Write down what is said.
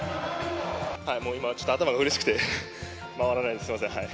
もう今、頭がうれしくて回らないです、すみません。